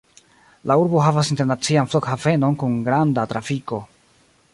La urbo havas internacian flughavenon kun granda trafiko.